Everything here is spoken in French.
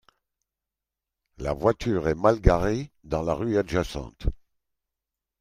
La voiture est mal garée dans la rue adjacente